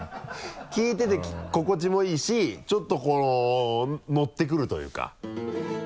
聴いてて心地もいいしちょっとこのノってくるというか。